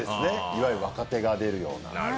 いわゆる若手が出るような。